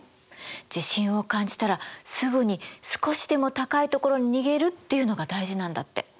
地震を感じたらすぐに少しでも高い所に逃げるっていうのが大事なんだって。